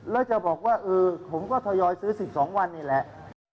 แล้วจะบอกว่าเออผมก็ทยอยซื้อ๑๒วันนี่แหละ